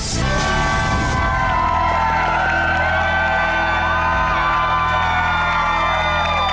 สวัสดีครับ